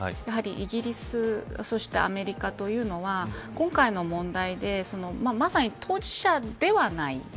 イギリス、そしてアメリカというのは今回の問題でまさに、当事者ではない。